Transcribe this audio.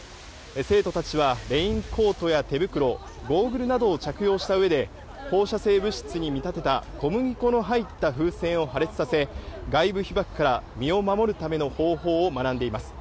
生徒たちはレインコートや手袋ゴーグルなどを着用したうえで放射性物質に見立てた小麦粉の入った風船を爆発させ外部被爆から身を守るための方法を学んでいます。